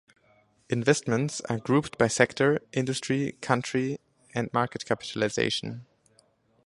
Investments are grouped by sector, industry, country, and market capitalization.